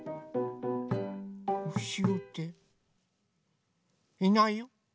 うしろっていないよ。